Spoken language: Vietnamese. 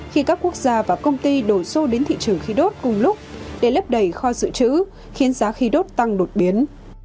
khi các quốc gia và công ty đổ xô đến thị trường khí đốt cùng lúc để lấp đầy kho dự trữ khiến giá khí đốt tăng đột biến